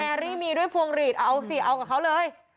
รี่มีด้วยพวงหลีดเอาสิเอากับเขาเลย